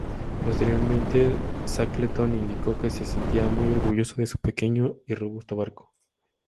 Posteriormente, Shackleton indicó que se sentía muy orgulloso de su pequeño y robusto barco.